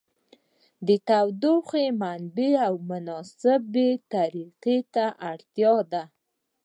د تودوخې منبع او مناسبې طریقې ته اړتیا ده.